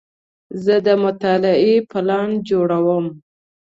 زه د مطالعې پلان جوړوم.